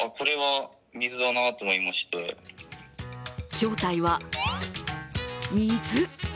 正体は水。